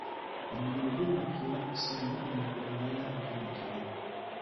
Omubiri gunafuwa singa omuntu abeera akaddiye.